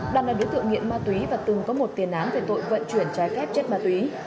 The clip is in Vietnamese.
đàn là đứa tượng nghiện ma túy và từng có một tiền án về tội vận chuyển trái khép chết ma túy